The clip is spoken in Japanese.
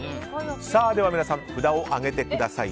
さあ皆さん、札を上げてください。